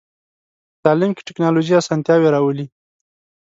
تعلیم کې ټکنالوژي اسانتیاوې راولي.